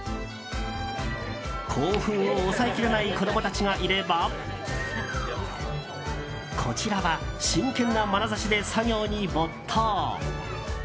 興奮を抑えきれない子供たちがいればこちらは真剣なまなざしで作業に没頭。